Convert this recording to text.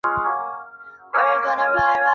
白花头嘴菊为菊科头嘴菊属的植物。